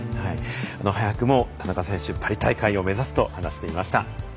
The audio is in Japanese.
早くも田中選手、パリ大会を目指すと話していました。